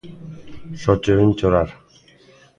Só che oín chorar.